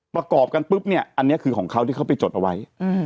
ประกอบกันปุ๊บเนี่ยอันนี้คือของเขาที่เขาไปจดเอาไว้